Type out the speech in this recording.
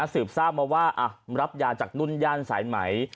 สืบทราบมาว่ารับยาจากนุ่นย่านสายไหม